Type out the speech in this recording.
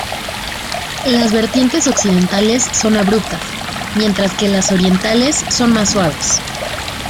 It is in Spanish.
Las vertientes occidentales son abruptas mientras que las orientales son más suaves.